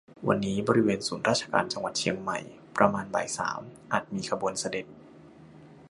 วันนี้บริเวณศูนย์ราชการจังหวัดเชียงใหม่ประมาณบ่ายสามอาจมี ขบวนเสด็จ